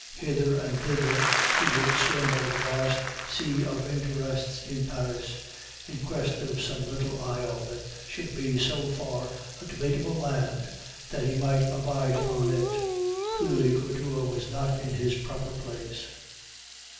Hither and thither he would swim over the vast sea of interests in Paris, in quest of some little isle that should be so far a debatable land that he might abide upon it. Clearly Couture was not in his proper place.